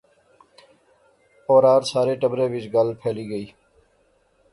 اورار سارے ٹبرے وچ گل پھیلی گئی